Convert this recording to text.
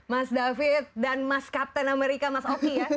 mas david dan mas captain america mas oki ya